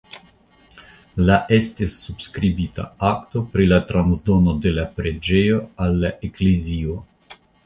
La estis subskribita akto pri la transdono de la preĝejo al la eklezio.